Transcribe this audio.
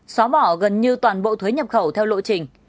xóa bỏ gần như toàn bộ thuế nhập khẩu theo lộ trình